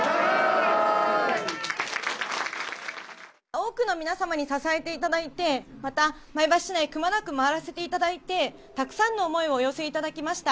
多くの皆様に支えていただいて、また前橋市内をくまなく回らせていただいて、たくさんの思いをお寄せいただきました。